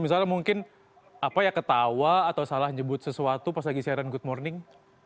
misalnya mungkin apa ya ketawa atau salah nyebut sesuatu pas lagi siaran good morning